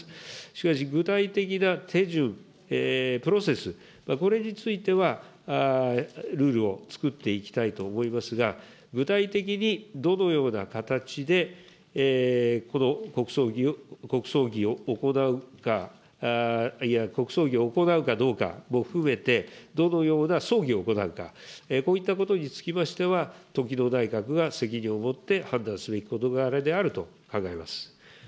しかし、具体的な手順、プロセス、これについては、ルールをつくっていきたいと思いますが、具体的にどのような形で、この国葬儀を行うか、国葬儀を行うかどうかも含めて、どのような葬儀を行うか、こういったことにつきましては、時の内閣が責任を持って判断すべき事柄であると考えます。